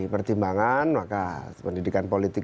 pertimbangan maka pendidikan politik